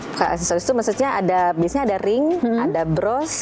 buka aksesoris itu maksudnya ada biasanya ada ring ada bros